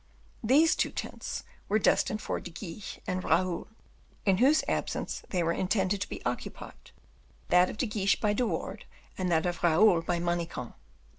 These two tents were destined for De Guiche and Raoul; in whose absence they were intended to be occupied, that of De Guiche by De Wardes, and that of Raoul by Manicamp.